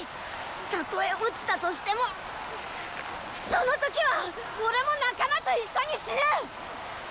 たとえ落ちたとしてもその時はオレも仲間と一緒に死ぬ！